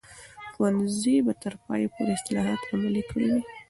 ښوونځي به تر پایه پورې اصلاحات عملي کړي وي.